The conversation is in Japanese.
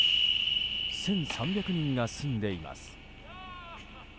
１３００人が住んでいます。